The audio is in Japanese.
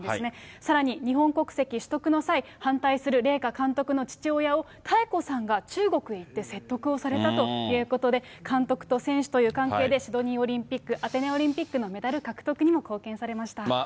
さらに日本国籍取得の際、反対する麗華監督の父親を妙子さんが中国へ行って説得をされたということで、監督と選手という関係で、シドニーオリンピック、アテネオリンピックのメダル獲得にも貢献されました。